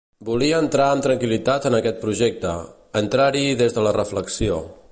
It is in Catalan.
Volia entrar amb tranquil·litat en aquest projecte, entrar-hi des de la reflexió.